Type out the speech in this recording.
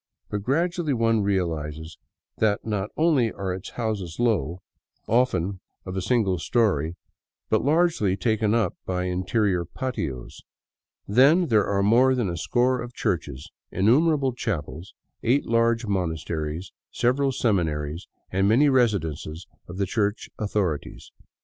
But gradually one reahzes that not only are its houses low, often of 37 VAGABONDING DOWN THE ANDES a single story, but largely taken up by interior patios. Then there are more than a score of churches, innumerable chapels, eight large monasteries, several seminaries, and many residences of the Church authorities.